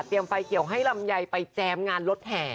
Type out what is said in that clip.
ไฟเกี่ยวให้ลำไยไปแจมงานรถแห่